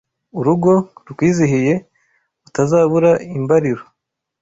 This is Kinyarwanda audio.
Urugo rukwizihiye Utazabura imbaliro